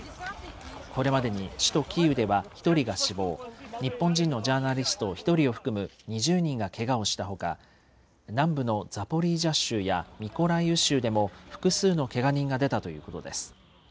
これまでに首都キーウでは１人が死亡、日本人のジャーナリスト１人を含む２０人がけがをしたほか、南部のザポリージャ州やミコライウ州でも、複数のけが人が出たということです。